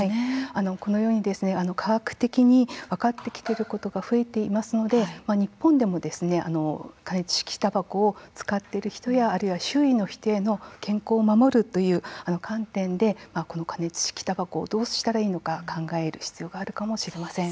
このように科学的に分かってきていることが増えていますので、日本でも加熱式たばこを使っている人やあるいは、周囲の人への健康を守るという観点で加熱式たばこをどうしたらいいのか考える必要があるかもしれません。